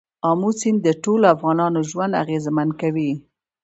آمو سیند د ټولو افغانانو ژوند اغېزمن کوي.